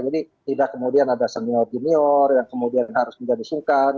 jadi tidak kemudian ada senior senior yang kemudian harus menjadi sukan